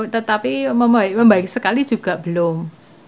tetapi membaik sekali juga belum